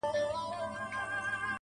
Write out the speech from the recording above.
اوس په پوهېږمه زه، اوس انسان شناس يمه.